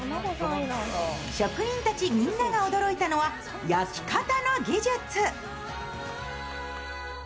職人たちみんなが驚いたのは焼き方の技術。